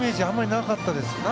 あまりなかったです。